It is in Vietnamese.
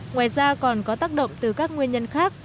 ngoài ra còn có tác động từ các nguyên nhân khác